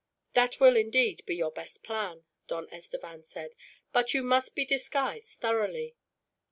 "That will indeed be your best plan," Don Estevan said; "but you must be disguised thoroughly.